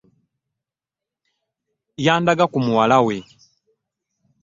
Yandaga ku muwala we.